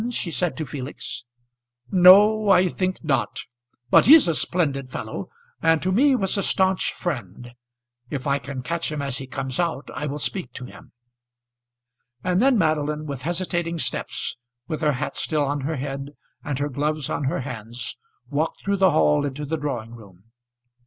she said to Felix. "No, I think not. But he's a splendid fellow, and to me was a stanch friend. If I can catch him as he comes out I will speak to him." And then Madeline, with hesitating steps, with her hat still on her head, and her gloves on her hands, walked through the hall into the drawing room.